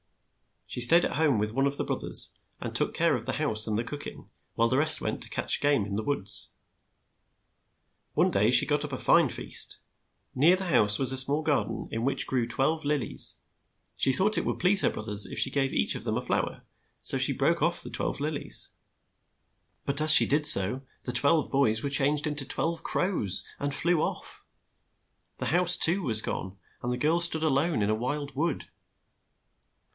She staid at home with one of the broth ers and took care of the house and the cook ing, while the rest went to catch game in the woods. One day she got up a fine feast. Near the house was a small gar den in which grew twelve lil ies. She thought it would please her broth ers if she gave each of them a flow er, so she broke ofT the twelve lil ies. But as she did so, the twelve boys were changed in to twelve crows, and flew off. The house, too, was gone, and the girl stood a lone in a wild wood.